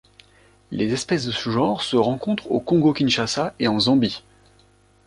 Les espèces de ce genre se rencontrent au Congo-Kinshasa et en Zambie.